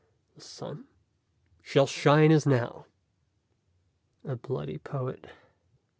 "The sun?" " shall shine as now." "A bloody poet."